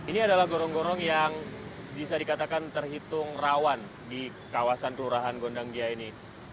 ini adalah gorong gorong yang bisa dikatakan terhitung rawan di kawasan kelurahan gondang gia ini